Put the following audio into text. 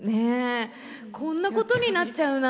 こんなことになっちゃうなんて。